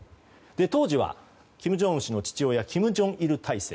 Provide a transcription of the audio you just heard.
当時は金正恩氏の父親金正日体制。